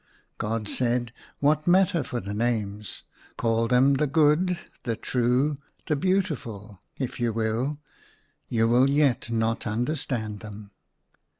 God said, " What matter for the names ? Call them the Good, the True, the Beautiful, if you will — you will yet not understand them."